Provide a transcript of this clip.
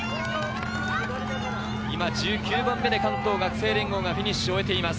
１９番目で関東学生連合がフィニッシュしています。